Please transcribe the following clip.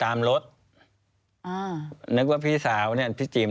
แล้วเขาสร้างเองว่าห้ามเข้าใกล้ลูก